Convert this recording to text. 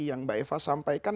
yang mbak eva sampaikan